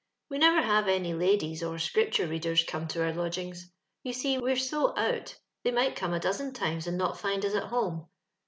We never liave any ladies or Scripture readers come to our lodgings ; you see, we're so out, they might come a dozen times and not find us at home.